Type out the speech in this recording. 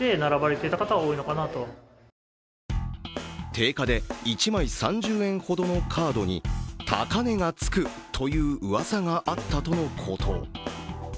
定価で１枚３０円ほどのカードに高値がつくといううわさがあったとのこと。